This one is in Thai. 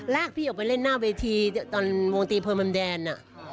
ลากพี่ออกไปเล่นหน้าเวทีตอนวงตรีเพิร์มแม่มแดน